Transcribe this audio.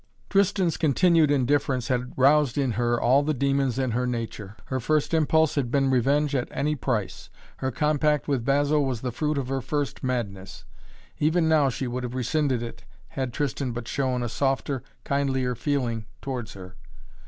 Tristan's continued indifference had roused in her all the demons in her nature. Her first impulse had been revenge at any price. Her compact with Basil was the fruit of her first madness. Even now she would have rescinded it had Tristan but shown a softer, kindlier feeling towards her.